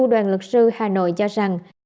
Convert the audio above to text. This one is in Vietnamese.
đoàn luật sư hà nội cho rằng